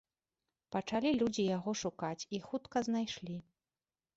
Пачалі людзі яго шукаць і хутка знайшлі.